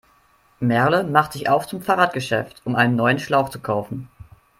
Merle macht sich auf zum Fahrradgeschäft, um einen neuen Schlauch zu kaufen.